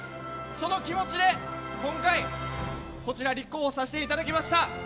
その気持ちで今回立候補させていただきました。